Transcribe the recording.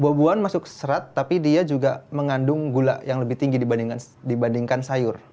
buah buahan masuk serat tapi dia juga mengandung gula yang lebih tinggi dibandingkan sayur